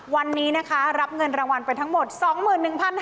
วันนี้นะคะรับเงินรางวัลไปทั้งหมด๒๑๕๐๐